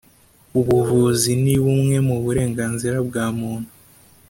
ubuvuzi ni bumwe mu burenganzira bwa muntu